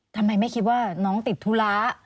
ทำไมไม่คิดว่าน้องติดธุระ